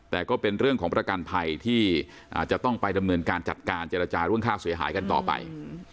แต่ก็เป็นเรื่องของประกันภัยที่จะต้องไปดำเนินการจัดการเจรจาเรื่องค่าเสียหายกันต่อไป